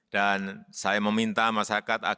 dan saya meminta masyarakat agar tetap tenang menjalankan ibadah